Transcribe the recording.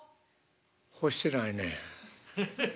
干してないねん。